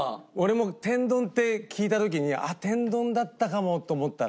俺も天丼って聞いた時にあっ天丼だったかもって思ったら。